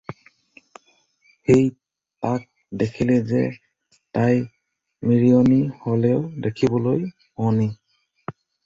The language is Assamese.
সি তাক দেখিলে যে তাই মিৰিয়নী হ'লেও দেখিবলৈ শুৱনি।